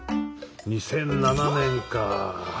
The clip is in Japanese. ２００７年かあ。